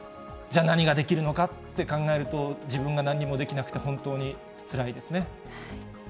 じゃあ、何ができるのかって考えると、自分がなんにもできなくて本当につらいですね。